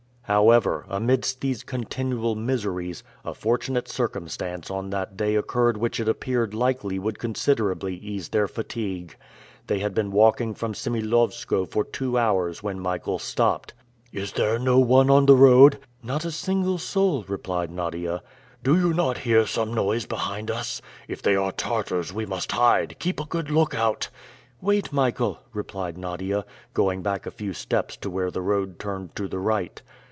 However, amidst these continual miseries, a fortunate circumstance on that day occurred which it appeared likely would considerably ease their fatigue. They had been walking from Semilowskoe for two hours when Michael stopped. "Is there no one on the road?" "Not a single soul," replied Nadia. "Do you not hear some noise behind us? If they are Tartars we must hide. Keep a good look out!" "Wait, Michael!" replied Nadia, going back a few steps to where the road turned to the right.